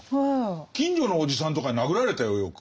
近所のおじさんとかに殴られたよよく。